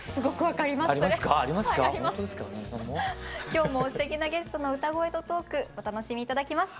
今日もすてきなゲストの歌声とトークお楽しみ頂きます。